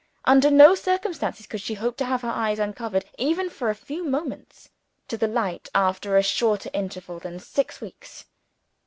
Under no circumstances could she hope to have her eyes uncovered, even for a few moments, to the light, after a shorter interval than six weeks.